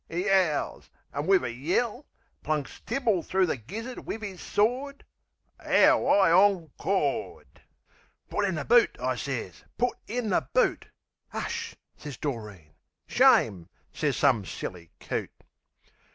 'e 'owls, an' wiv a yell, Plunks Tyball through the gizzard wiv 'is sword, 'Ow I ongcored! "Put in the boot!" I sez. "Put in the boot!" "'Ush!" sez Doreen..."Shame!" sez some silly coot.